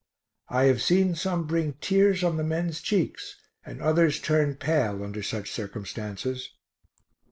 I have seen some bring tears on the men's cheeks, and others turn pale, under such circumstances.